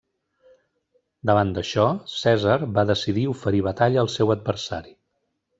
Davant d'això, Cèsar va decidir oferir batalla al seu adversari.